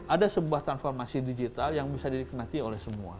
ada sebuah transformasi digital yang bisa dinikmati oleh semua